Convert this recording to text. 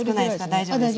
大丈夫ですか？